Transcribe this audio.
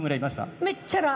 めっちゃラ。